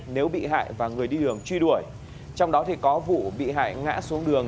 nếu bị hại và người đi đường truy đuổi trong đó thì có vụ bị hại ngã xuống đường